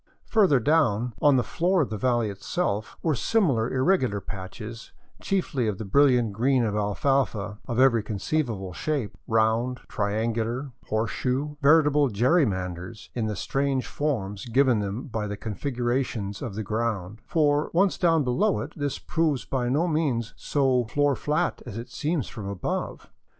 Further down, on the floor of the valley itself, were similar irregular patches, chiefly of the brilliant green of alfalfa, of every con ceivable shape, — round, triangular, horseshoe, veritable " Gerry manders " in the strange forms given them by the configurations of the ground ; for, once down below it, this proves by no means so floor flat as it seems from above.